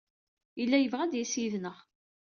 Yella yebɣa ad d-yas yid-neɣ.